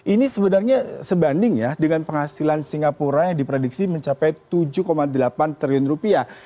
ini sebenarnya sebanding ya dengan penghasilan singapura yang diprediksi mencapai tujuh delapan triliun rupiah